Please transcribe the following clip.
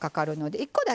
１個だけ。